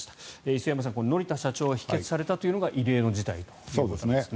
磯山さん、乗田社長が否決されたのが異例の事態ということですね。